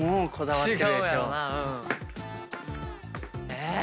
え⁉